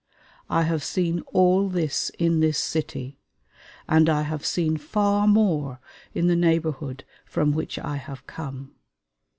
I have seen all this in this city, and I have seen far more in the neighborhood from which I have come.